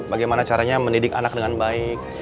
bagaimana caranya mendidik anak dengan baik